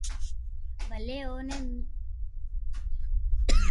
ڀلي اوني ڪجھ ميلتو يا ڪوئي ملتو